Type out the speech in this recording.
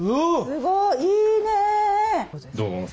すごい！いいね！